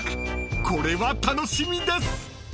［これは楽しみです］